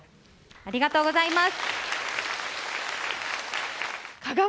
ありがとうございます。